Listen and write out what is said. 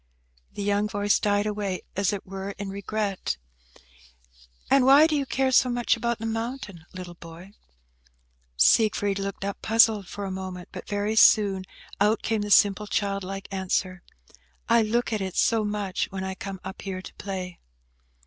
The young voice died away, as it were, in regret. "And why do you care so much about the mountain, little boy?" Siegfried looked up, puzzled, for a moment, but very soon out came the simple, child like answer, "I look at it so much when I come up here to play."